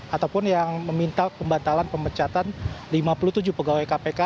ataupun yang meminta pembatalan pemecatan lima puluh tujuh pegawai kpk